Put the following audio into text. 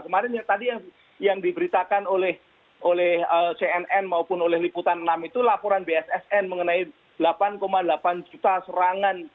kemarin tadi yang diberitakan oleh cnn maupun oleh liputan enam itu laporan bssn mengenai delapan delapan juta serangan